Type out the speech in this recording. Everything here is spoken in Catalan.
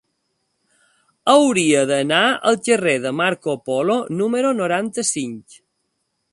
Hauria d'anar al carrer de Marco Polo número noranta-cinc.